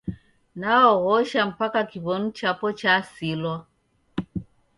Naog'osha mpaka kiwonu chapo chasilwa.